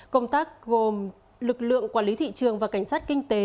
công tác gồm lực lượng quản lý thị trường và cảnh sát kinh tế